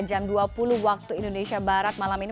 jam dua puluh waktu indonesia barat malam ini